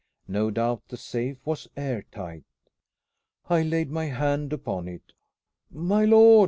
No doubt the safe was air tight. I laid my hand upon it. "My lord!"